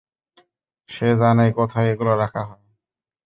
সে জানে, কোথায় এগুলো রাখা হয়।